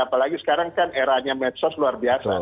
apalagi sekarang kan eranya medsos luar biasa